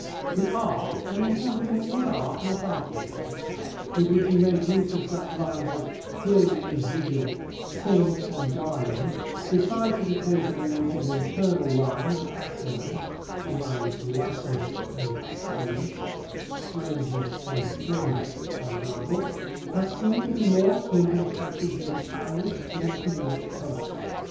The art and in Campion it was art, not artlessness with which he made use of such rhymes as "hill" and "vigil," "sing" and "darling," besides his occasional use of internal rhyme and assonance (he rhymed "licens'd" and "silence," "strangeness" and "plainness," for example), has seemed to be more akin to the practices of Irish than of English poets.